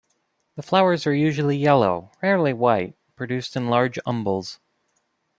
The flowers are usually yellow, rarely white, produced in large umbels.